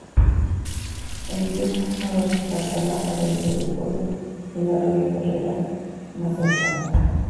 El río Porma pasaba al oeste del pueblo y el arroyo Ferreras más cercano.